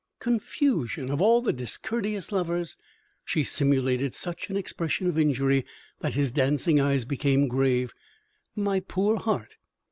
"Confusion! Of all the discourteous lovers !" She simulated such an expression of injury that his dancing eyes became grave. "My poor heart!"